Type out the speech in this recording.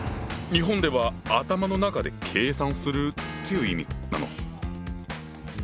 日本では「頭の中で計算する」という意味なの？